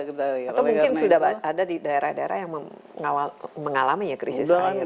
atau mungkin sudah ada di daerah daerah yang mengalami krisis air